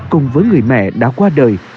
cùng với người mẹ đã qua đời